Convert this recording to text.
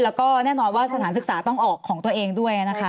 แล้วก็แน่นอนว่าสถานศึกษาต้องออกของตัวเองด้วยนะคะ